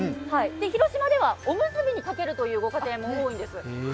広島ではおむすびにかけるというご家庭も多いんです。